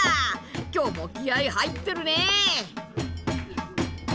今日も気合い入ってるね！